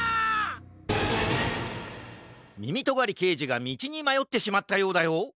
みみとがりけいじがみちにまよってしまったようだよ。